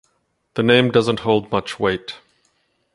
The name doesn't hold much weight